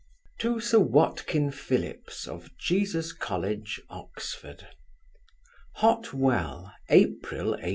To Sir WATKIN PHILLIPS, of Jesus college, Oxon. HOT WELL, April 18.